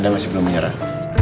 anda masih belum menyerah